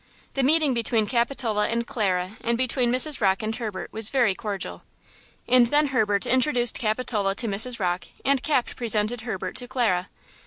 The meeting between Capitola and Clara and between Mrs. Rocke and Herbert was very cordial. And then Herbert introduced Capitola to Mrs. Rocke and Cap presented Herbert to Clara.